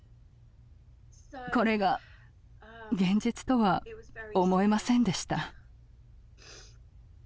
これが現実とは思えませんでした。